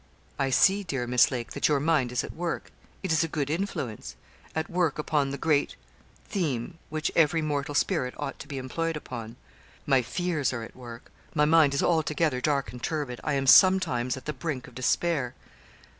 'I see, dear Miss Lake, that your mind is at work it is a good influence at work upon the great, theme which every mortal spirit ought to be employed upon.' 'My fears are at work; my mind is altogether dark and turbid; I am sometimes at the brink of despair.'